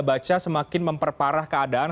baca semakin memperparah keadaan